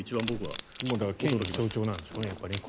権威の象徴なんでしょうね。